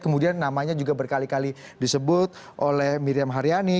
kemudian namanya juga berkali kali disebut oleh miriam haryani